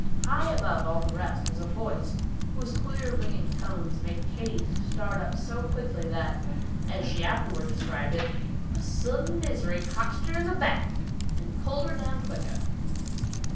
High above all the rest was a voice, whose clear, ringing tones made Katy start up so quickly that, as she afterward described it, "a sudden misery cotched her in the back, and pulled her down quicker."